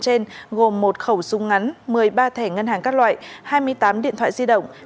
trên gồm một khẩu súng ngắn một mươi ba thẻ ngân hàng các loại hai mươi tám điện thoại di động